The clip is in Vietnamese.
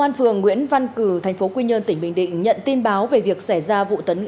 công an phường nguyễn văn cử tp quy nhơn tỉnh bình định nhận tin báo về việc xảy ra vụ mất trộm tài sản tại nhà trọ trên địa bàn